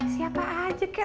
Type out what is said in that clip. siapa aja kek